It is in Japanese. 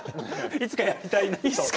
いつかやりたいと？